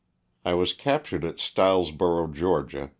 I was captured at Stilesborough, Ga.